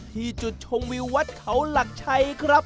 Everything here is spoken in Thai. ที่จุดชมวิววัดเขาหลักชัยครับ